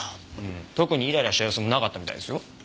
特にイライラした様子もなかったみたいですよ。